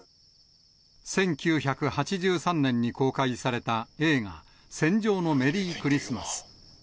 １９８３年に公開された映画、戦場のメリークリスマス。